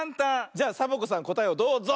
じゃサボ子さんこたえをどうぞ！